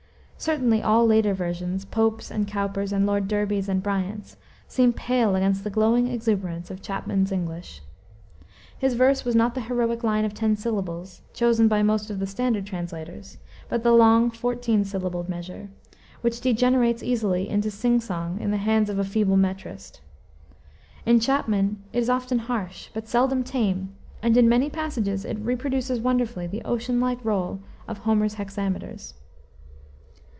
Certainly all later versions Pope's and Cowper's and Lord Derby's and Bryant's seem pale against the glowing exuberance of Chapman's English. His verse was not the heroic line of ten syllables, chosen by most of the standard translators, but the long fourteen syllabled measure, which degenerates easily into sing song in the hands of a feeble metrist. In Chapman it is often harsh, but seldom tame, and in many passages it reproduces wonderfully the ocean like roll of Homer's hexameters.